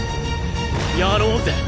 やろうぜ。